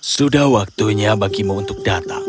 sudah waktunya bagimu untuk datang